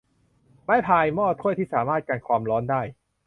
ไม้พาย หม้อ ถ้วยที่สามารถกันความร้อนได้